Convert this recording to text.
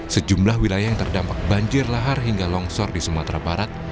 sejumlah wilayah yang terdampak banjir lahar hingga longsor di sumatera barat